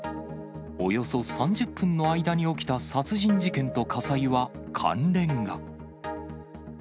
およそ３０分の間に起きた殺人事件と火災は関連が。